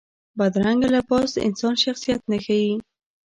بدرنګه لباس د انسان شخصیت نه ښيي